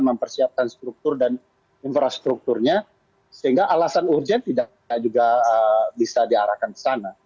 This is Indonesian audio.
mempersiapkan struktur dan infrastrukturnya sehingga alasan urgen tidak juga bisa diarahkan ke sana